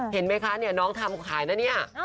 เห็นไหมคะเนี่ยน้องทำขายนะเนี่ย